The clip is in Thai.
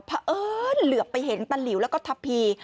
เพราะเอิญเหลือไปเห็นตะหลิวแล้วก็ทัพพี